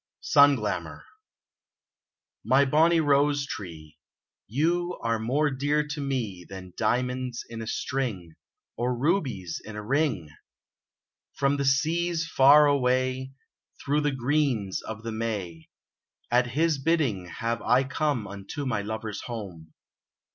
Sun*®lamour M Y bonny rose tree, You are more dear to me Than diamonds in a string, Or rubies in a ring ! From the seas far away, Through the greens of the May, At his bidding have I come Unto my lover's home.